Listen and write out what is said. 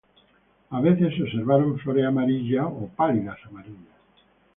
A veces se observaron flores amarillas o pálidas amarillas.